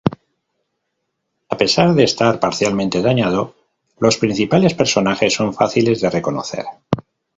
A pesar de estar parcialmente dañado, los principales personajes son fáciles de reconocer.